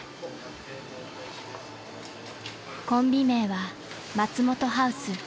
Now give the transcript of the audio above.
［コンビ名は松本ハウス］